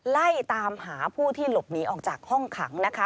ไล่ตามหาผู้ที่หลบหนีออกจากห้องขังนะคะ